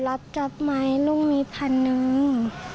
รับจับไม้ลูกมีพันหนึ่ง